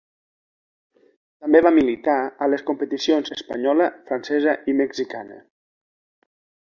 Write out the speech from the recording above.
També va militar a les competicions espanyola, francesa i mexicana.